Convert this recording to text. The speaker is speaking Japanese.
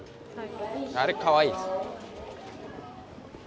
あれかわいいです。